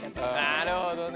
なるほどね。